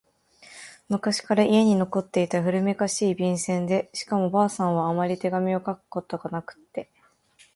昔から家に残っていた古めかしい、便箋でしかも婆さんはあまり手紙を書いたことがなくって……